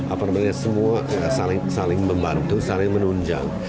apabila semua saling membantu saling menunjang